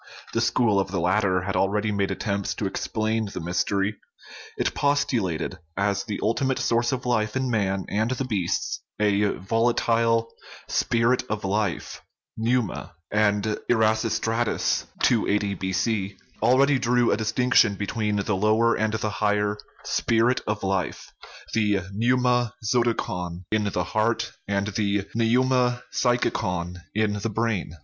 The school of the latter had already made attempts to explain the mystery ; it postulated as the ultimate source of life in man and the beasts a volatile " spirit of life" (Pneuma) ; and Erasistratus (280 B.C.) al ready drew a distinction between the lower and the higher " spirit of life," the pneuma zoticon in the heart and the pneuma psychicon in the brain.